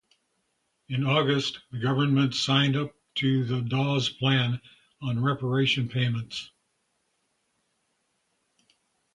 In August, the government signed up to the Dawes Plan on reparation payments.